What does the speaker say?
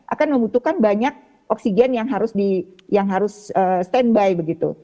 akan membutuhkan banyak oksigen yang harus di yang harus standby begitu